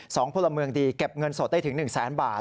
สองพลเมืองดีเก็บเงินสดได้ถึง๑๐๐๐๐๐บาท